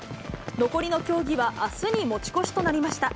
残りの競技は、あすに持ち越しとなりました。